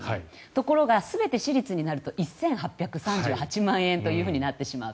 ところが、全て私立になると１８３８万円となってしまう。